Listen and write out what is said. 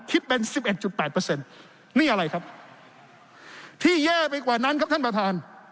คิดเป็นสิบเอ็ดจุดแปดเปอร์เซ็นต์นี่อะไรครับที่แย่ไปกว่านั้นครับท่านประธาน